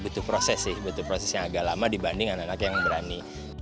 butuh proses sih butuh proses yang agak lama dibanding anak anak yang berani